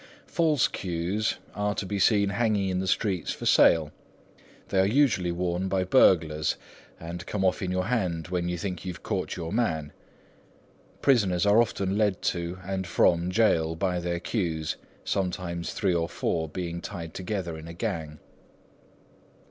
False queues are to be seen hanging in the streets for sale. They are usually worn by burglars, and come off in your hand when you think you have caught your man. Prisoners are often led to, and from, gaol by their queues, sometimes three or four being tied together in a gang.